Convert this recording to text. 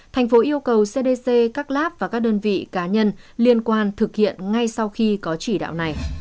thành phố yêu cầu cdc các láp và các đơn vị cá nhân liên quan thực hiện ngay sau khi có chỉ đạo này